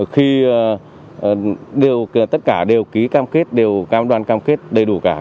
khi tất cả đều ký cam kết đều cam đoan cam kết đầy đủ cả